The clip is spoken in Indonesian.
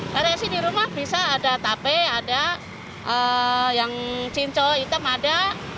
karena di sini rumah bisa ada tape ada yang cincol hitam ada